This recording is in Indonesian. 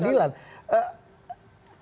dalam hal yang lainnya